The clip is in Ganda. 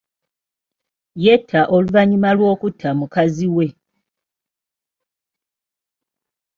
Yetta oluvannyumwa lw'okutta mukazi we.